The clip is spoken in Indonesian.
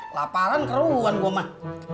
laparan keruan gua mah